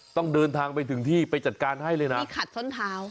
ต้องเดินทางไปถึงที่ไปจัดการให้เลยนะนี่ขัดส้นเท้า